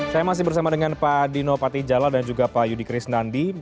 saya masih bersama dengan pak dino patijala dan juga pak yudi krisnandi